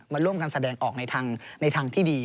มาร่วมกันแสดงออกในทางที่ดี